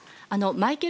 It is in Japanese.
マイケル！